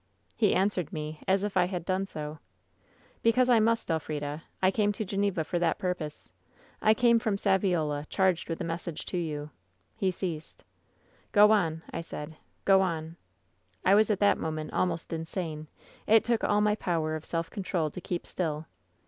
*^IIe answered me as if I had done so: " ^Because T must, Elfrida. I came to Geneva for that purpose, I came from Saviola, charged with a rne^?n<re to you.' He ceased. WHEN SHADOWS DIE 191 '^ ^Go on/ I said. *Gro on/ I was at that moment almost insane. It took all my power of self control to keep still.